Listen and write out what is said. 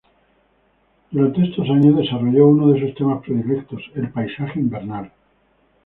Por estos años desarrolló uno de sus temas predilectos: el paisaje invernal.